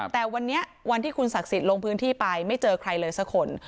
แต่วันนี้วันที่คุณศักดิ์สิทธิ์ลงพื้นที่ไปไม่เจอใครเลยสักคน